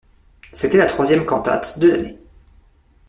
C'était la troisième cantate de l'année.